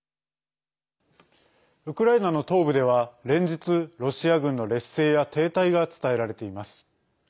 ウクライナの東部では連日ロシア軍の劣勢や停滞が伝えられています。